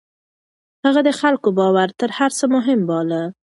هغه د خلکو باور تر هر څه مهم باله.